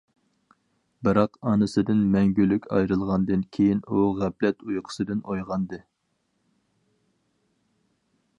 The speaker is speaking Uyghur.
بىراق ئانىسىدىن مەڭگۈلۈك ئايرىلغاندىن كېيىن، ئۇ غەپلەت ئۇيقۇسىدىن ئويغاندى.